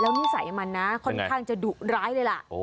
นิสัยมันนะค่อนข้างจะดุร้ายเลยล่ะ